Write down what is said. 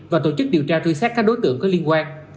và tổ chức điều tra truy xét các đối tượng có liên quan